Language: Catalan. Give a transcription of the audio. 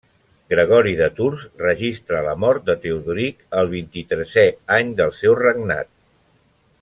Gregori de Tours registra la mort de Teodoric el vint-i-tresè any del seu regnat.